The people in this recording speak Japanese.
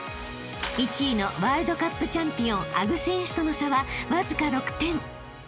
［１位のワールドカップチャンピオン安久選手との差はわずか６点］